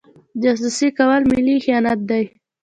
جاسوسي کول ملي خیانت دی.